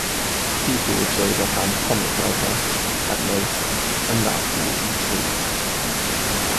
People would say that I'm comic writer, at most, and that will be true.